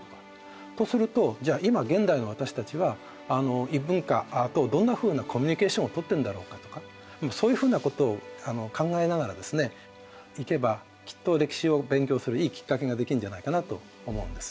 とするとじゃあ今現代の私たちは異文化とどんなふうなコミュニケーションをとってんだろうかとかそういうふうなことを考えながらいけばきっと歴史を勉強するいいきっかけができるんじゃないかなと思うんです。